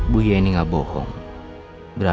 tapi suami saya gak ada kabarnya